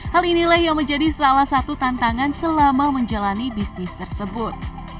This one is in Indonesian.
hal inilah yang menjadi salah satu tantangan selama menjalani bisnis tersebut